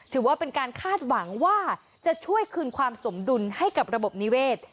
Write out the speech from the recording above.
ถือว่าเป็นการคาดหวังว่าจะช่วยคืนความสมดุลให้กับระบบนิเวศ